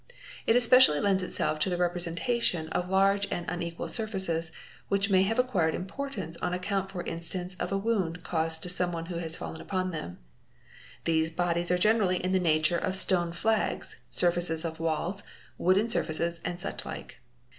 It especially lends itself to the representation of large and unequal surfaces, which may have acquired importance on account for instance of a wound caused to someone who has fallen upon them. [hese bodies are generally in the nature of stone flags, surfaces of walls, jooden surfaces, and such like.